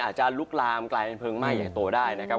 จะลุกลามกลายเป็นเพลิงไหม้ใหญ่โตได้นะครับ